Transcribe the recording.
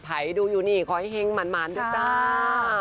ดูอยู่นี่ขอให้เฮงหมานด้วยจ้า